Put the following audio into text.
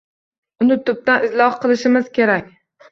Uni tubdan isloh qilishimiz kerak